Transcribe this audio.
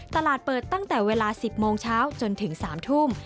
ตลาดเปิดตั้งแต่เวลา๑๐โมงเช้าจนถึง๓ทุ่ม